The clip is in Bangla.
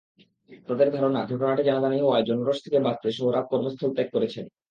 তাঁদের ধারণা, ঘটনাটি জানাজানি হওয়ায় জনরোষ থেকে বাঁচতে সোহরাব কর্মস্থল ত্যাগ করেছেন।